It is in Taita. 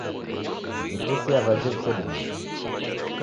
W'itesie aw'aje w'isedimaa